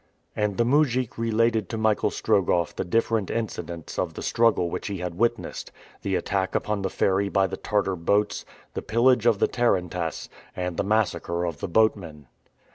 And the mujik related to Michael Strogoff the different incidents of the struggle which he had witnessed the attack upon the ferry by the Tartar boats, the pillage of the tarantass, and the massacre of the boatmen.